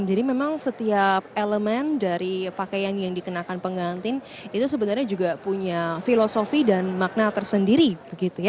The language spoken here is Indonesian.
jadi memang setiap elemen dari pakaian yang dikenakan pengantin itu sebenarnya juga punya filosofi dan makna tersendiri begitu ya